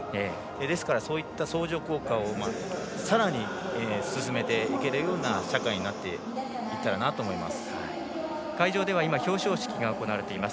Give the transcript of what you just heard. ですから、そういった相乗効果をさらに進めていけるような社会になっていったらなと会場では表彰式が行われています。